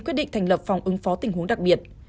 quyết định thành lập phòng ứng phó tình huống đặc biệt